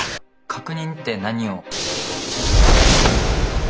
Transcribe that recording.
確認って何を？